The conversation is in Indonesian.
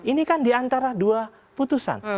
ini kan diantara dua putusan